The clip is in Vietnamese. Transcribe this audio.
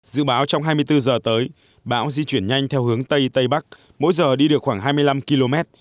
dự báo trong hai mươi bốn giờ tới bão di chuyển nhanh theo hướng tây tây bắc mỗi giờ đi được khoảng hai mươi năm km